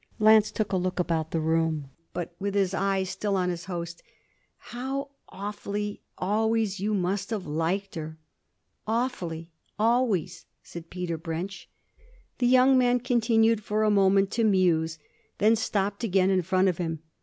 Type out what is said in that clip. Lance took a turn about the room, but with his eyes still on his host. 'How awfully always you must have liked her!' 'Awfully. Always,' said Peter Brench. The young man continued for a moment to muse then stopped again in front of him.